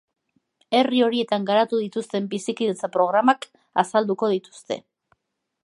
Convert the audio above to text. Herri horietan garatu dituzten bizikidetza programak azalduko dituzte.